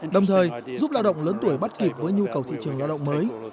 đồng thời giúp lao động lớn tuổi bắt kịp với nhu cầu thị trường lao động mới